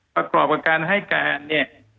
ประกอบกับการให้การเนี่ย